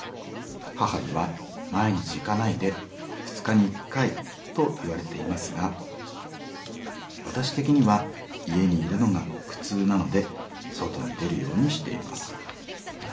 母には『毎日行かないで２日に１回』と言われていますが私的には家に居るのが苦痛なので外に出るようにしています。